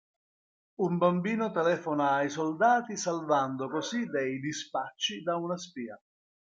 Un bambino telefona ai soldati salvando così dei dispacci da una spia.